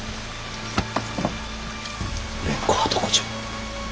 蓮子はどこじゃ。